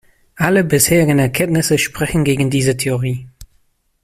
Alle bisherigen Erkenntnisse sprechen gegen diese Theorie.